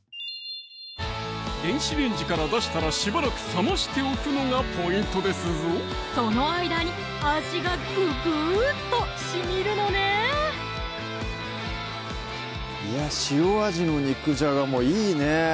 電子レンジから出したらしばらく冷ましておくのがポイントですぞその間に味がぐぐーっとしみるのね塩味の肉じゃがもいいね